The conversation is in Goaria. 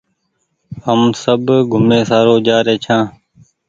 هم سب گھومي سآرو جآري ڇآن